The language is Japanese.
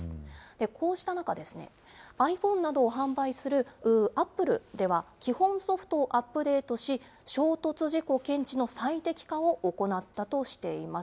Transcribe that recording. こうした中、ｉＰｈｏｎｅなどを販売するアップルでは、基本ソフトをアップデートし、衝突事故検知の最適化を行ったとしています。